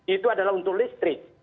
itu adalah untuk listrik